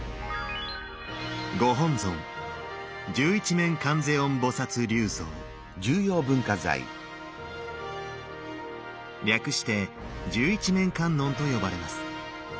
⁉ご本尊略して十一面観音と呼ばれます。